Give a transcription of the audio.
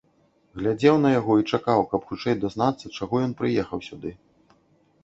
Глядзеў на яго і чакаў, каб хутчэй дазнацца, чаго ён прыехаў сюды.